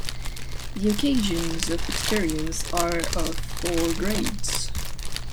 The occasions of experience are of four grades.